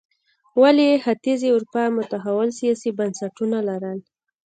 ولې ختیځې اروپا متحول سیاسي بنسټونه لرل.